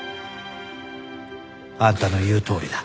あんたの言うとおりだ。